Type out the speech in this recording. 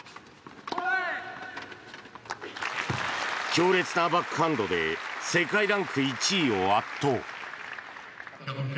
強烈なバックハンドで世界ランク１位を圧倒。